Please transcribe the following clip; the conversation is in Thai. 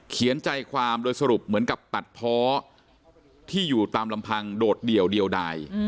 ใจความโดยสรุปเหมือนกับตัดเพาะที่อยู่ตามลำพังโดดเดี่ยวเดียวดาย